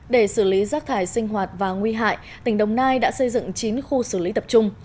để xử lý rác thải sinh hoạt và nguy hại tỉnh đồng nai đã xây dựng chín khu xử lý tập trung